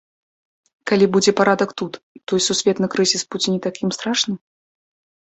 Калі будзе парадак тут, то і сусветны крызіс будзе не такім страшным?